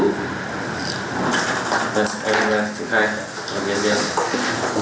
em triển khai hòa miệng đi em